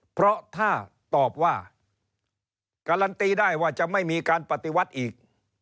เพราะถ้าตอบว่าการันตีได้ว่าจะไม่มีการปฏิวัติอีก